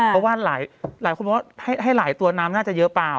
เพราะว่าหลายคนบอกว่าให้หลายตัวน้ำน่าจะเยอะเปล่า